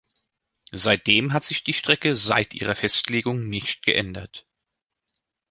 Seitdem hat sich die Strecke seit ihrer Festlegung nicht geändert.